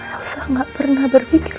elsa gak pernah berpikir